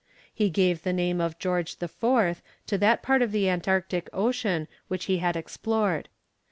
He gave the name of George IV. to that part of the Antarctic Ocean which he had explored.